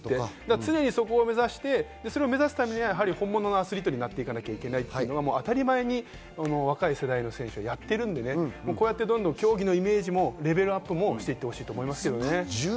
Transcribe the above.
常にそこを目指して本物のアスリートになっていかなきゃいけないというのが当たり前に若い世代の選手はやっているので、競技のイメージもレベルアップもしていってほしいと思いますけどね。